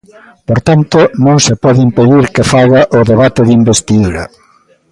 Por tanto, non se pode impedir que faga o debate de investidura.